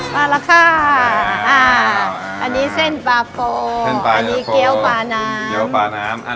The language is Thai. มาแล้วค่ะอันนี้เส้นปลาโฟอันนี้เกี๊ยวปลาน้ำ